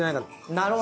なるほど。